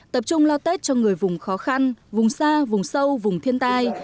tập trung lo tết cho người vùng khó khăn vùng xa vùng sâu vùng thiên tai